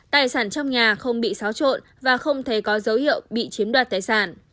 tài sản trong nhà không bị xáo trộn và không thấy có dấu hiệu bị chiếm đoạt tài sản